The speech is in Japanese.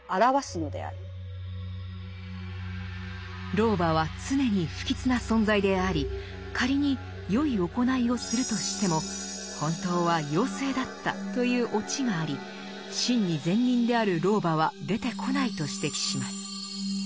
老婆は常に不吉な存在であり仮によい行いをするとしても本当は妖精だったというオチがあり真に善人である老婆は出てこないと指摘します。